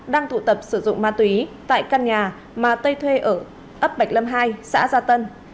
đang tụ tập sử dụng ma túy tại căn nhà mà tây thuê ở ấp bạch lâm hai xã gia tân